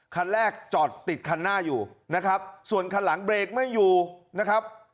คันแรกจอดติดคันหน้าอยู่นะครับส่วนคันหลังเบรกไม่อยู่นะครับ